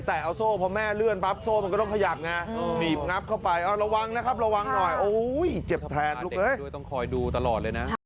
แต่คือจังหวะนั้นจอดแล้วใช่ไหมครับแม่